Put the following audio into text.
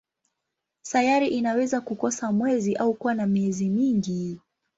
Sayari inaweza kukosa mwezi au kuwa na miezi mingi.